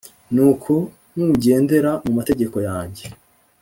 Nuko nugendera mu mateka yanjye